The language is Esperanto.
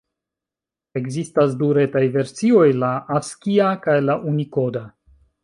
Ekzistas du retaj versioj: la askia kaj la unikoda.